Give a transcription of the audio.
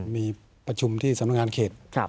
มีประชุมที่สำนักงานเขต